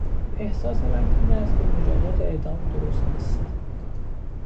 احساس من این است که مجازات اعدام درست نیست.